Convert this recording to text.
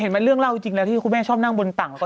เห็นมันเรื่องเล่าจริงแล้วที่คุณแม่ชอบนั่งบนต่าง